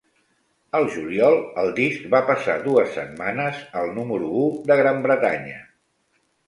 Al juliol, el disc va passar dues setmanes al número u de Gran Bretanya.